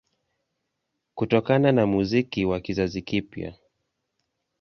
Kutokana na muziki wa kizazi kipya